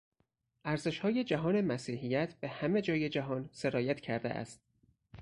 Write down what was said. ارزشهای جهان مسیحیت به همه جای جهان سرایت کرده است.